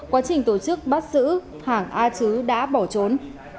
quá trình tổ chức bắt giữ hàng a chứ đã bỏ trốn